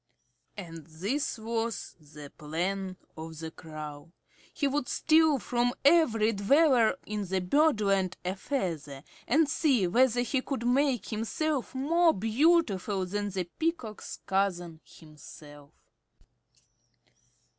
And this was the plan of the Crow. He would steal from every dweller in Birdland a feather, and see whether he could not make himself more beautiful than the Peacock's cousin himself.